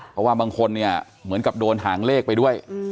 เพราะว่าบางคนเนี่ยเหมือนกับโดนหางเลขไปด้วย